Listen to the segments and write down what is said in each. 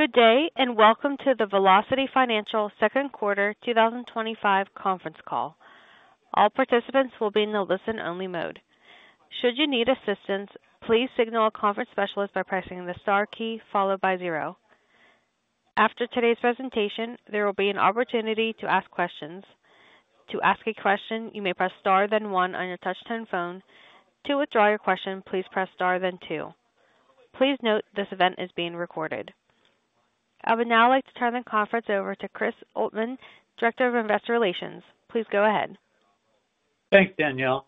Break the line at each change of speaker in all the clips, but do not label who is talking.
Good day and welcome to the Velocity Financial's Second Quarter 2025 Conference Call. All participants will be in the listen-only mode. Should you need assistance, please signal a conference specialist by pressing the star key followed by zero. After today's presentation, there will be an opportunity to ask questions. To ask a question, you may press star then one on your touch-tone phone. To withdraw your question, please press star then two. Please note this event is being recorded. I would now like to turn the conference over to Chris Oltmann, Director of Investor Relations. Please go ahead.
Thanks, Danielle.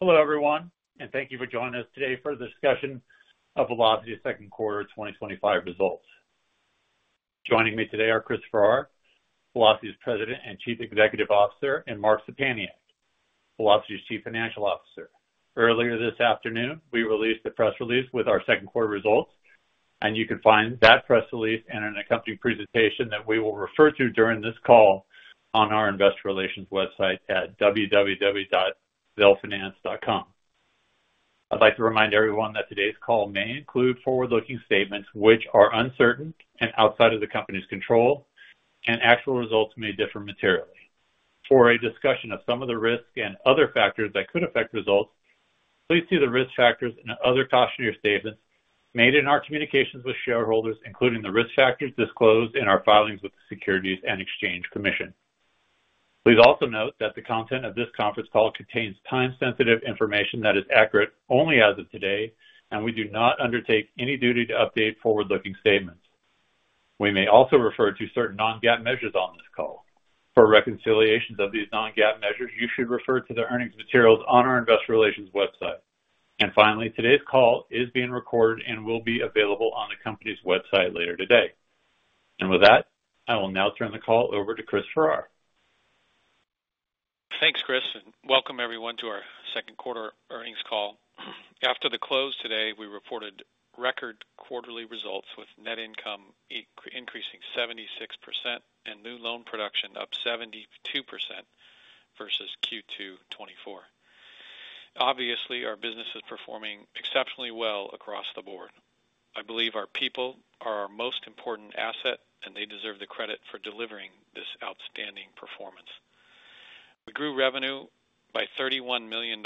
Hello, everyone, and thank you for joining us today for the discussion of Velocity's Second Quarter 2025 Results. Joining me today are Chris Farrar, Velocity's President and Chief Executive Officer, and Mark Szczepaniak, Velocity's Chief Financial Officer. Earlier this afternoon, we released a press release with our second quarter results, and you can find that press release and an accompanying presentation that we will refer to during this call on our Investor Relations website at www.velfinance.com. I'd like to remind everyone that today's call may include forward-looking statements which are uncertain and outside of the company's control, and actual results may differ materially. For a discussion of some of the risks and other factors that could affect results, please see the risk factors and other cautionary statements made in our communications with shareholders, including the risk factors disclosed in our filings with the Securities and Exchange Commission. Please also note that the content of this conference call contains time-sensitive information that is accurate only as of today, and we do not undertake any duty to update forward-looking statements. We may also refer to certain non-GAAP measures on this call. For reconciliations of these non-GAAP measures, you should refer to the earnings materials on our Investor Relations website. Finally, today's call is being recorded and will be available on the company's website later today. With that, I will now turn the call over to Chris Farrar.
Thanks, Chris, and welcome everyone to our second quarter earnings call. After the close today, we reported record quarterly results with net income increasing 76% and new loan production up 72% versus Q2 2024. Obviously, our business is performing exceptionally well across the board. I believe our people are our most important asset, and they deserve the credit for delivering this outstanding performance. We grew revenue by $31 million,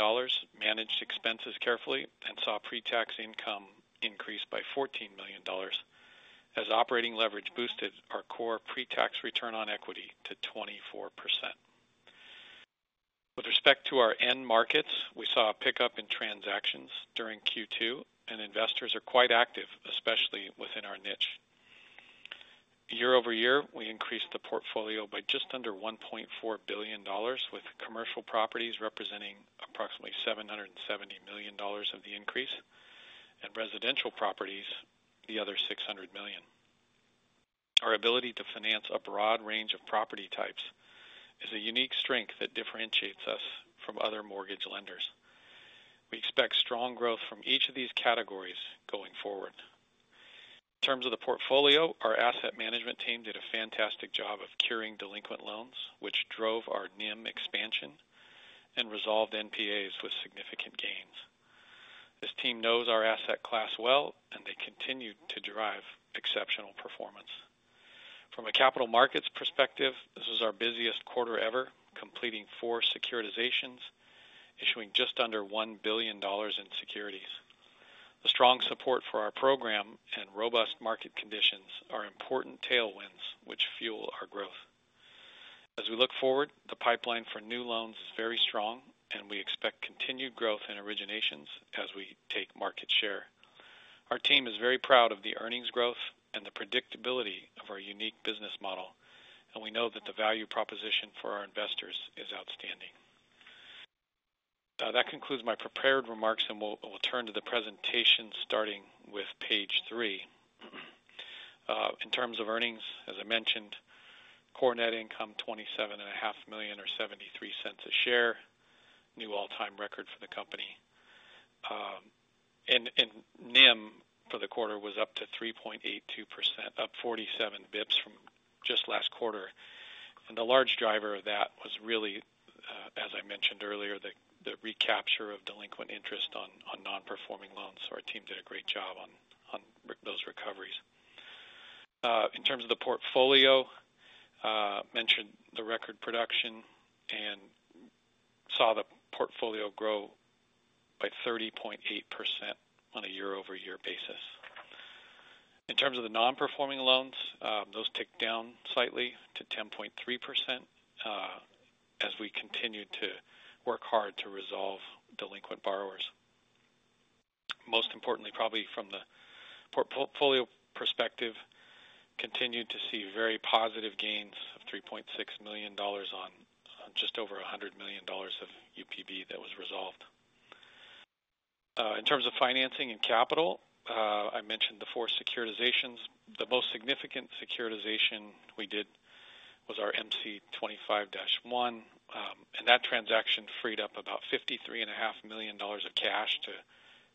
managed expenses carefully, and saw pre-tax income increase by $14 million as operating leverage boosted our core pre-tax return on equity to 24%. With respect to our end markets, we saw a pickup in transactions during Q2, and investors are quite active, especially within our niche. Year-over-year, we increased the portfolio by just under $1.4 billion, with commercial properties representing approximately $770 million of the increase and residential properties the other $600 million. Our ability to finance a broad range of property types is a unique strength that differentiates us from other mortgage lenders. We expect strong growth from each of these categories going forward. In terms of the portfolio, our asset management team did a fantastic job of curing delinquent loans, which drove our NIM expansion and resolved NPAs with significant gains. This team knows our asset class well, and they continue to drive exceptional performance. From a capital markets perspective, this was our busiest quarter ever, completing four securitizations, issuing just under $1 billion in securities. The strong support for our program and robust market conditions are important tailwinds which fuel our growth. As we look forward, the pipeline for new loans is very strong, and we expect continued growth in originations as we take market share. Our team is very proud of the earnings growth and the predictability of our unique business model, and we know that the value proposition for our investors is outstanding. That concludes my prepared remarks, and we'll turn to the presentation, starting with page three. In terms of earnings, as I mentioned, core net income $27.5 million or $0.73 a share, new all-time record for the company. NIM for the quarter was up to 3.82%, up 47 bps from just last quarter. The large driver of that was really, as I mentioned earlier, the recapture of delinquent interest on non-performing loans. Our team did a great job on those recoveries. In terms of the portfolio, I mentioned the record production and saw the portfolio grow by 30.8% on a year-over-year basis. In terms of the non-performing loans, those ticked down slightly to 10.3% as we continued to work hard to resolve delinquent borrowers. Most importantly, probably from the portfolio perspective, we continued to see very positive gains of $3.6 million on just over $100 million of UPB that was resolved. In terms of financing and capital, I mentioned the four securitizations. The most significant securitization we did was our MC25-1, and that transaction freed up about $53.5 million of cash to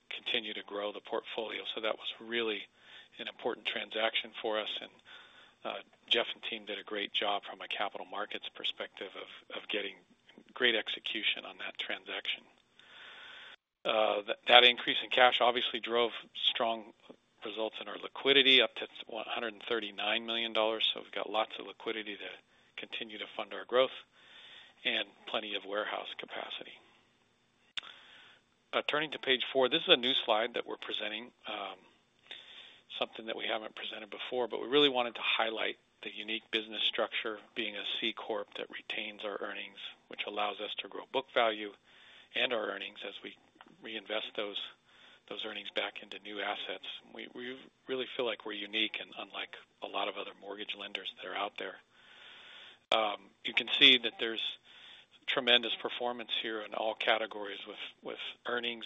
continue to grow the portfolio. That was really an important transaction for us, and Jeff and team did a great job from a capital markets perspective of getting great execution on that transaction. That increase in cash obviously drove strong results in our liquidity up to $139 million. We've got lots of liquidity to continue to fund our growth and plenty of warehouse capacity. Turning to page four, this is a new slide that we're presenting, something that we haven't presented before, but we really wanted to highlight the unique business structure of being a C-Corp that retains our earnings, which allows us to grow book value and our earnings as we reinvest those earnings back into new assets. We really feel like we're unique and unlike a lot of other mortgage lenders that are out there. You can see that there's tremendous performance here in all categories with earnings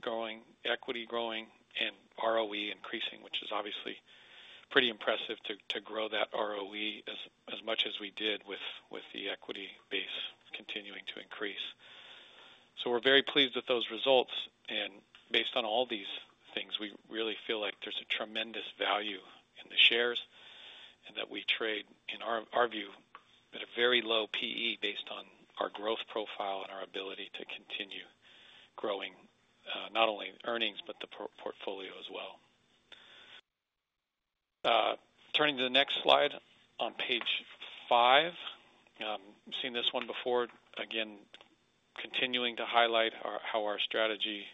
growing, equity growing, and ROE increasing, which is obviously pretty impressive to grow that ROE as much as we did with the equity base continuing to increase. We're very pleased with those results. Based on all these things, we really feel like there's a tremendous value in the shares and that we trade, in our view, at a very low PE based on our growth profile and our ability to continue growing not only earnings, but the portfolio as well. Turning to the next slide on page 5, I've seen this one before, again, continuing to highlight how our strategy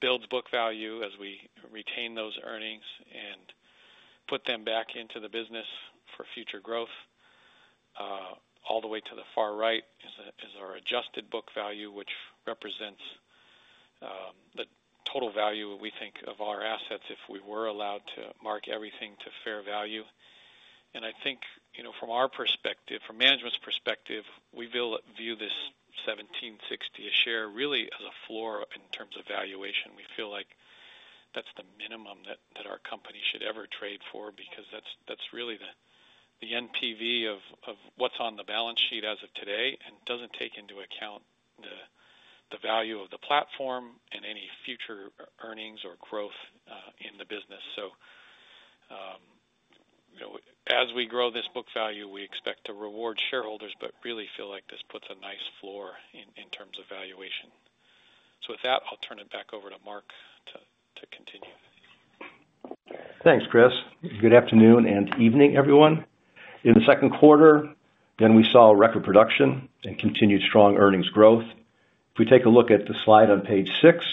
builds book value as we retain those earnings and put them back into the business for future growth. All the way to the far right is our adjusted book value, which represents the total value we think of our assets if we were allowed to mark everything to fair value. I think from our perspective, from management's perspective, we view this $17.60 a share really as a floor in terms of valuation. We feel like that's the minimum that our company should ever trade for because that's really the NPV of what's on the balance sheet as of today and doesn't take into account the value of the platform and any future earnings or growth in the business. As we grow this book value, we expect to reward shareholders, but really feel like this puts a nice floor in terms of valuation. With that, I'll turn it back over to Mark to continue.
Thanks, Chris. Good afternoon and evening, everyone. In the second quarter, again, we saw record production and continued strong earnings growth. If we take a look at the slide on page 6,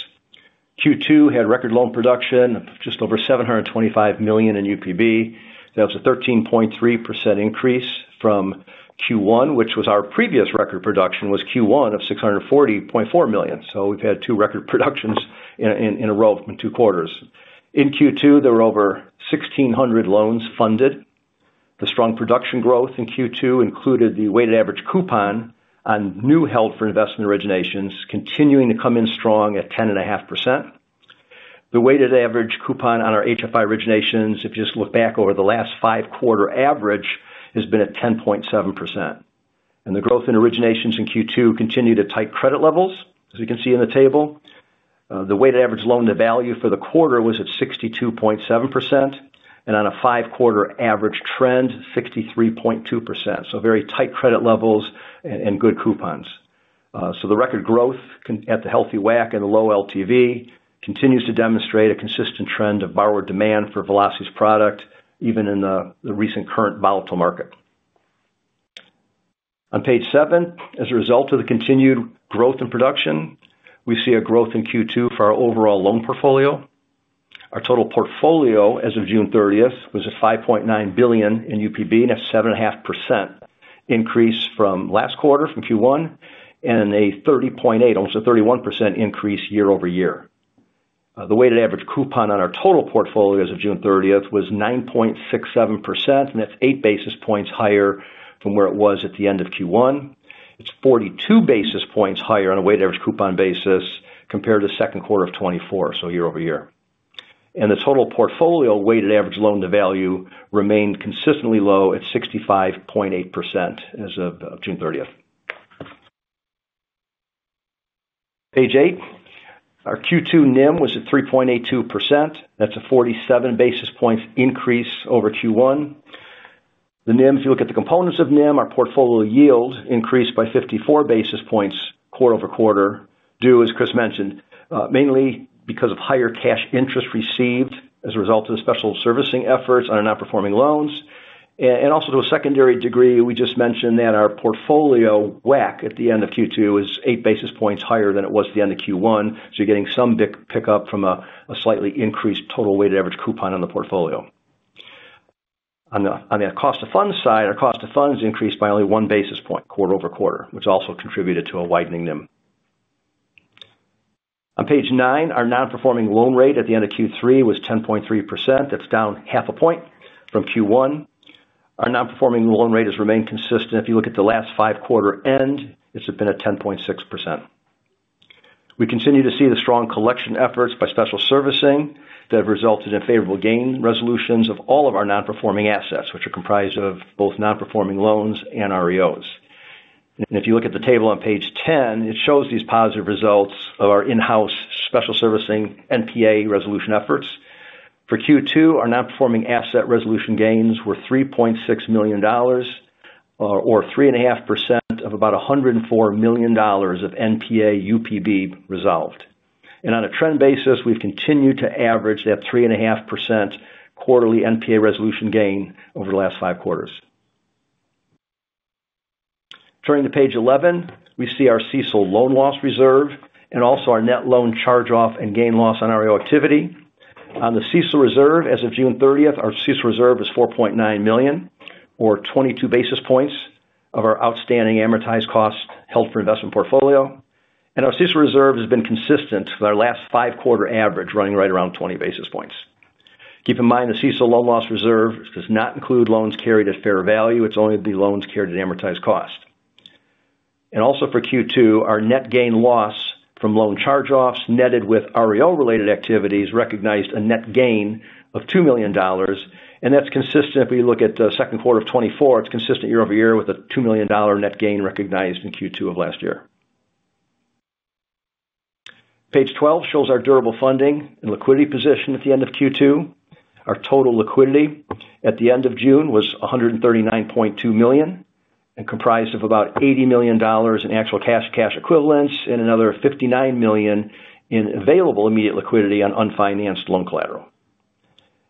Q2 had record loan production, just over $725 million in UPB. That was a 13.3% increase from Q1, which was our previous record production, was Q1 of $640.4 million. We've had two record productions in a row in two quarters. In Q2, there were over 1,600 loans funded. The strong production growth in Q2 included the weighted average coupon on new held for investment originations continuing to come in strong at 10.5%. The weighted average coupon on our HFI originations, if you just look back over the last five-quarter average, has been at 10.7%. The growth in originations in Q2 continued at tight credit levels, as you can see in the table. The weighted average loan to value for the quarter was at 62.7% and on a five-quarter average trend, 63.2%. Very tight credit levels and good coupons. The record growth at the healthy WACC and the low LTV continues to demonstrate a consistent trend of borrower demand for Velocity product, even in the recent current volatile market. On page 7, as a result of the continued growth in production, we see a growth in Q2 for our overall loan portfolio. Our total portfolio as of June 30th was at $5.9 billion in UPB, and that's a 7.5% increase from last quarter from Q1, and a 30.8%, almost a 31% increase year-over-year. The weighted average coupon on our total portfolio as of June 30th was 9.67%, and that's eight basis points higher from where it was at the end of Q1. It's 42 basis points higher on a weighted average coupon basis compared to the second quarter of 2024, year-over-year. The total portfolio weighted average loan to value remained consistently low at 65.8% as of June 30th. Page eight, our Q2 NIM was at 3.82%. That's a 47 basis points increase over Q1. The NIM, if you look at the components of NIM, our portfolio yield increased by 54 basis points quarter-over-quarter, due as Chris mentioned, mainly because of higher cash interest received as a result of the special servicing efforts on our non-performing loans. Also to a secondary degree, we just mentioned that our portfolio WACC at the end of Q2 is eight basis points higher than it was at the end of Q1. You're getting some pickup from a slightly increased total weighted average coupon on the portfolio. On the cost of funds side, our cost of funds increased by only one basis point quarter-over-quarter, which also contributed to a widening NIM. On page 9, our non-performing loan rate at the end of Q3 was 10.3%. That's down half a point from Q1. Our non-performing loan rate has remained consistent. If you look at the last five-quarter end, it's been at 10.6%. We continue to see the strong collection efforts by special servicing that have resulted in favorable gain resolutions of all of our non-performing assets, which are comprised of both non-performing loans and REOs. If you look at the table on page 10, it shows these positive results of our in-house special servicing NPA resolution efforts. For Q2, our non-performing asset resolution gains were $3.6 million or 3.5% of about $104 million of NPA UPB resolved. On a trend basis, we've continued to average that 3.5% quarterly NPA resolution gain over the last five quarters. Turning to page 11, we see our CISL loan loss reserve and also our net loan charge-off and gain loss on REO activity. On the CISL reserve, as of June 30, our CISL reserve is $4.9 million or 22 basis points of our outstanding amortized cost held for investment portfolio. Our CISL reserve has been consistent with our last five-quarter average running right around 20 basis points. Keep in mind the CISL loan loss reserve does not include loans carried at fair value. It's only the loans carried at amortized cost. For Q2, our net gain loss from loan charge-offs netted with REO-related activities recognized a net gain of $2 million. That's consistent if we look at the second quarter of 2024, it's consistent year-over-year with a $2 million net gain recognized in Q2 of last year. Page 12 shows our durable funding and liquidity position at the end of Q2. Our total liquidity at the end of June was $139.2 million and comprised of about $80 million in actual cash and cash equivalents and another $59 million in available immediate liquidity on unfinanced loan collateral.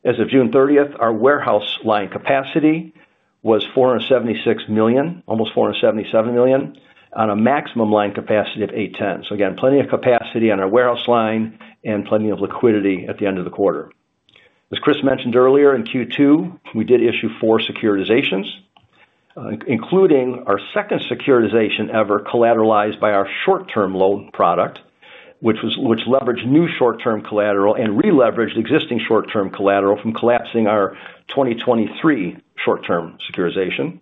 As of June 30, our warehouse line capacity was $476 million, almost $477 million on a maximum line capacity of $800 million. Again, plenty of capacity on our warehouse line and plenty of liquidity at the end of the quarter. As Chris mentioned earlier, in Q2, we did issue four securitizations, including our second securitization ever collateralized by our short-term loan product, which leveraged new short-term collateral and re-leveraged existing short-term collateral from collapsing our 2023 short-term securitization.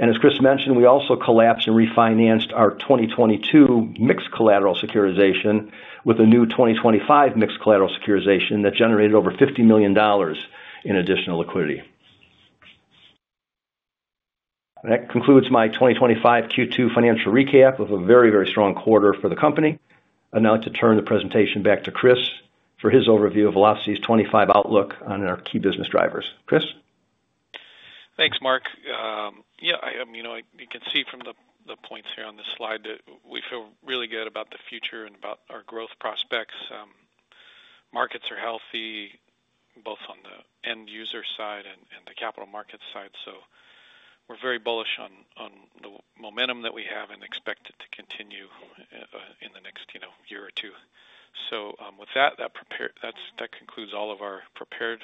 As Chris mentioned, we also collapsed and refinanced our 2022 mixed collateral securitization with a new 2025 mixed collateral securitization that generated over $50 million in additional liquidity. That concludes my 2025 Q2 financial recap of a very, very strong quarter for the company. I'd like to turn the presentation back to Chris for his overview of Velocity's 2025 outlook on our key business drivers. Chris?
Thanks, Mark. You can see from the points here on this slide that we feel really good about the future and about our growth prospects. Markets are healthy both on the end user side and the capital markets side. We are very bullish on the momentum that we have and expect it to continue in the next year or two. With that, that concludes all of our prepared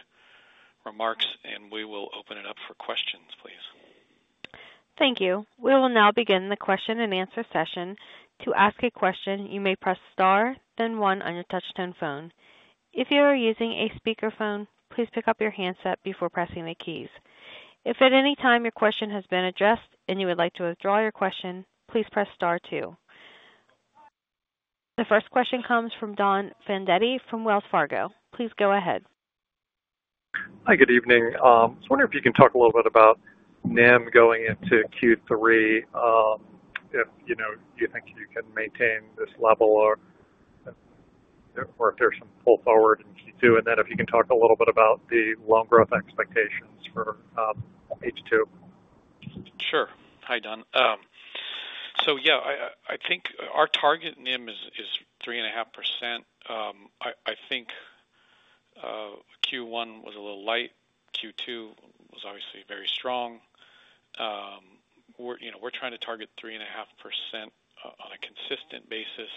remarks, and we will open it up for questions, please.
Thank you. We will now begin the question-and-answer session. To ask a question, you may press star then one on your touch-tone phone. If you are using a speakerphone, please pick up your handset before pressing the keys. If at any time your question has been addressed and you would like to withdraw your question, please press star two. The first question comes from Don Fandetti from Wells Fargo. Please go ahead.
Hi, good evening. I was wondering if you can talk a little bit about NIM going into Q3, if you think you can maintain this level or if there's some pull forward in Q2. If you can talk a little bit about the loan growth expectations for H2.
Sure. Hi, Don. I think our target NIM is 3.5%. I think Q1 was a little light. Q2 was obviously very strong. We're trying to target 3.5% on a consistent basis.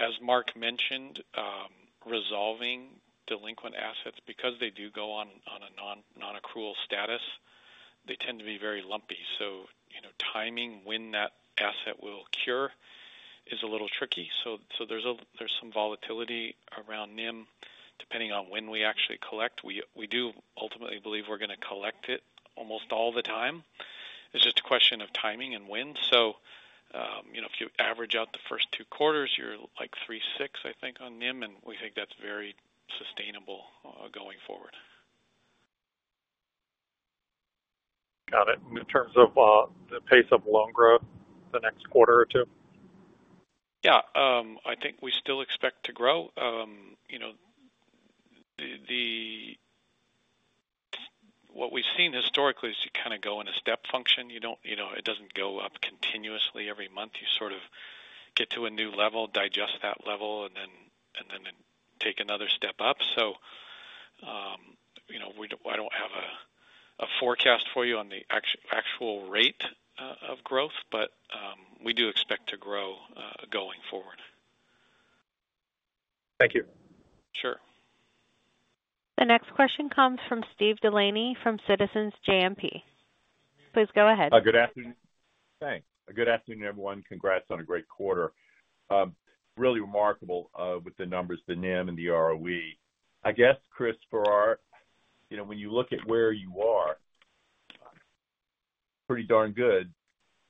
As Mark mentioned, resolving delinquent assets, because they do go on a non-accrual status, they tend to be very lumpy. Timing when that asset will cure is a little tricky. There's some volatility around NIM depending on when we actually collect. We do ultimately believe we're going to collect it almost all the time. It's just a question of timing and when. If you average out the first two quarters, you're like 3.6%, I think, on NIM, and we think that's very sustainable going forward.
Got it. In terms of the pace of loan growth the next quarter or two?
Yeah, I think we still expect to grow. What we've seen historically is you kind of go in a step function. It doesn't go up continuously every month. You sort of get to a new level, digest that level, and then take another step up. I don't have a forecast for you on the actual rate of growth, but we do expect to grow going forward.
Thank you.
Sure.
The next question comes from Steve Delaney from Citizens JMP. Please go ahead.
Good afternoon. Good afternoon, everyone. Congrats on a great quarter. Really remarkable with the numbers, the NIM and the ROE. I guess, Chris Farrar, when you look at where you are, pretty darn good,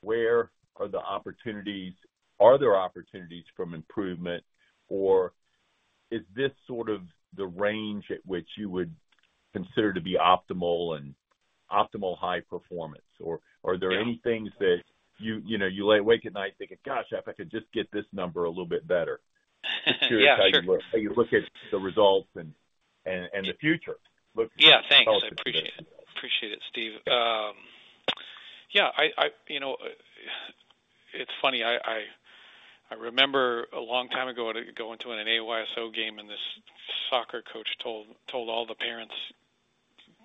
where are the opportunities? Are there opportunities for improvement, or is this sort of the range at which you would consider to be optimal and optimal high performance? Are there any things that you lay awake at night thinking, "Gosh, if I could just get this number a little bit better." Just curious how you look at the results and the future.
Yeah, thanks. I appreciate it. Appreciate it, Steve. It's funny. I remember a long time ago going to an AYSO game, and this soccer coach told all the parents,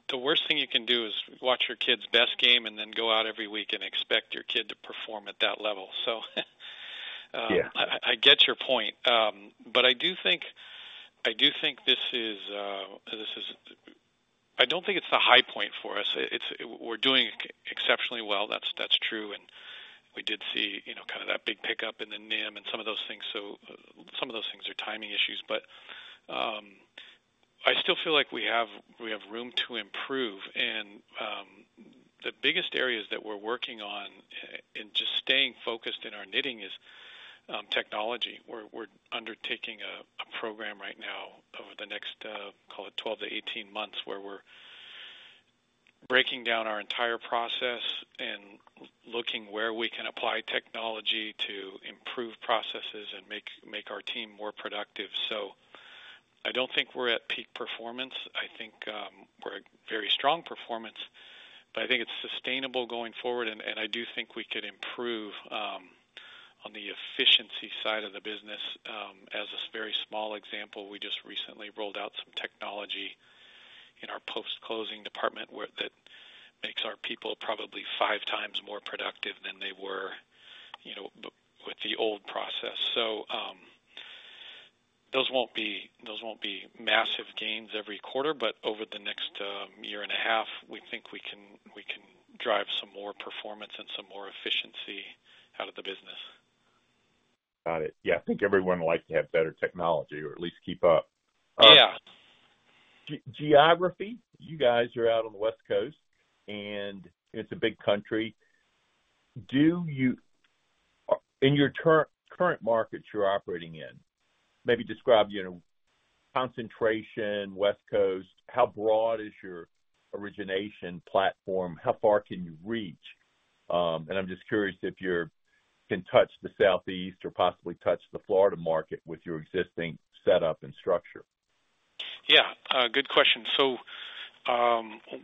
"The worst thing you can do is watch your kid's best game and then go out every week and expect your kid to perform at that level." I get your point. I do think this is, I don't think it's the high point for us. We're doing exceptionally well, that's true, and we did see that big pickup in the NIM and some of those things. Some of those things are timing issues. I still feel like we have room to improve. The biggest areas that we're working on in just staying focused in our knitting is technology. We're undertaking a program right now over the next, call it, 12-18 months where we're breaking down our entire process and looking where we can apply technology to improve processes and make our team more productive. I don't think we're at peak performance. I think we're at very strong performance, but I think it's sustainable going forward. I do think we could improve on the efficiency side of the business. As a very small example, we just recently rolled out some technology in our post-closing department that makes our people probably five times more productive than they were with the old process. Those won't be massive gains every quarter, but over the next year and a half, we think we can drive some more performance and some more efficiency out of the business.
Got it. Yeah, I think everyone would like to have better technology or at least keep up. Geography, you guys are out on the West Coast, and it's a big country. Do you, in your current markets you're operating in, maybe describe your concentration, West Coast, how broad is your origination platform? How far can you reach? I'm just curious if you can touch the Southeast or possibly touch the Florida market with your existing setup and structure.
Yeah, good question.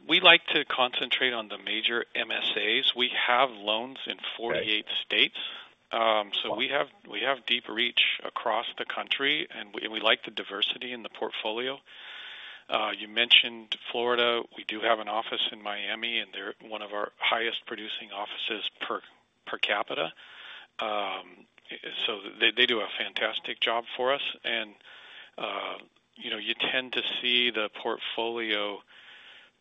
We like to concentrate on the major MSAs. We have loans in 48 states, so we have deep reach across the country, and we like the diversity in the portfolio. You mentioned Florida. We do have an office in Miami, and they're one of our highest producing offices per capita. They do a fantastic job for us. You tend to see the portfolio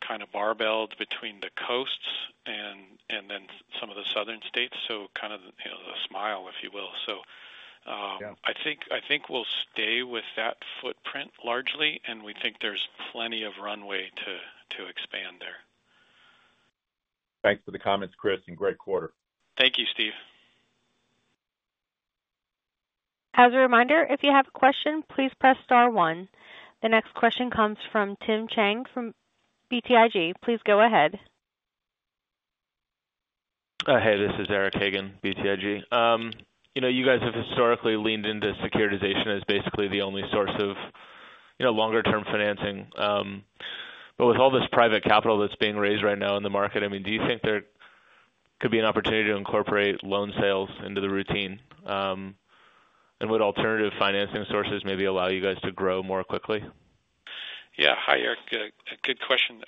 kind of barbelled between the coasts and then some of the southern states, kind of a smile, if you will. I think we'll stay with that footprint largely, and we think there's plenty of runway to expand there.
Thanks for the comments, Chris, and great quarter.
Thank you, Steve.
As a reminder, if you have a question, please press star one. The next question comes from Tim Chang from BTIG. Please go ahead.
Hey, this is Eric Hagen, BTIG. You know, you guys have historically leaned into securitization as basically the only source of longer-term financing. With all this private capital that's being raised right now in the market, do you think there could be an opportunity to incorporate loan sales into the routine? Would alternative financing sources maybe allow you guys to grow more quickly?
Yeah. Hi, Eric. Good question.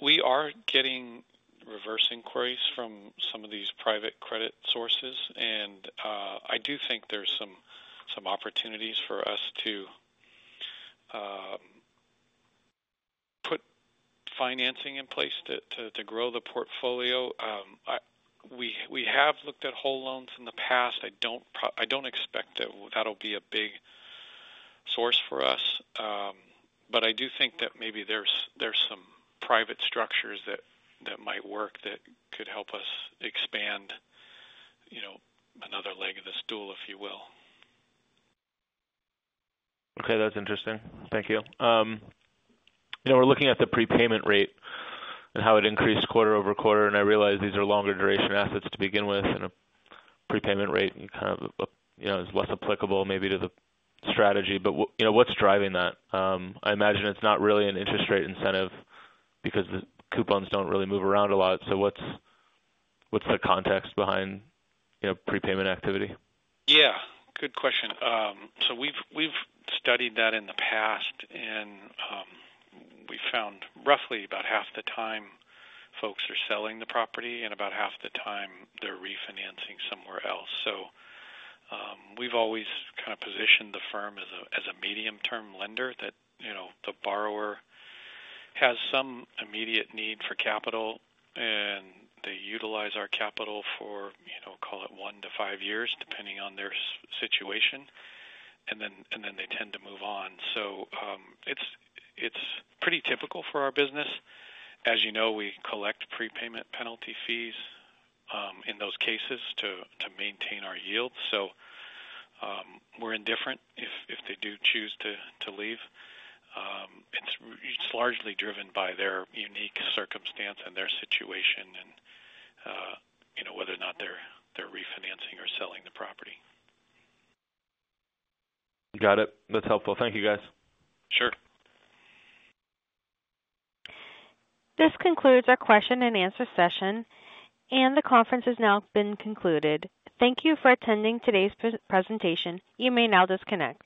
We are getting reverse inquiries from some of these private credit sources, and I do think there's some opportunities for us to put financing in place to grow the portfolio. We have looked at whole loans in the past. I don't expect that that'll be a big source for us. I do think that maybe there's some private structures that might work that could help us expand, you know, another leg of this dual, if you will.
Okay, that's interesting. Thank you. You know, we're looking at the prepayment rate and how it increased quarter over quarter. I realize these are longer duration assets to begin with, and a prepayment rate kind of is less applicable maybe to the strategy. What's driving that? I imagine it's not really an interest rate incentive because the coupons don't really move around a lot. What's the context behind prepayment activity?
Good question. We've studied that in the past, and we found roughly about half the time folks are selling the property and about half the time they're refinancing somewhere else. We've always kind of positioned the firm as a medium-term lender that, you know, the borrower has some immediate need for capital, and they utilize our capital for, you know, call it one to five years, depending on their situation, and then they tend to move on. It's pretty typical for our business. As you know, we collect prepayment penalty fees in those cases to maintain our yield. We're indifferent if they do choose to leave. It's largely driven by their unique circumstance and their situation and, you know, whether or not they're refinancing or selling the property.
Got it. That's helpful. Thank you, guys.
Sure.
This concludes our question-and-answer session, and the conference has now been concluded. Thank you for attending today's presentation. You may now disconnect.